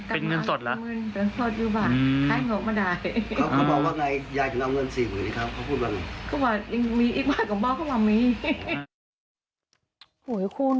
เป็นเงินสดเหรอ